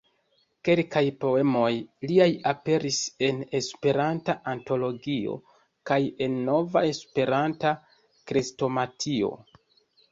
Kelkaj poemoj liaj aperis en "Esperanta Antologio" kaj en "Nova Esperanta Krestomatio".